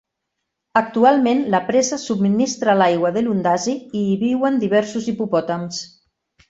Actualment la presa subministra l'aigua de Lundazi i hi viuen diversos hipopòtams.